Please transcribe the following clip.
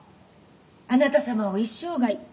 「あなた様を一生涯」。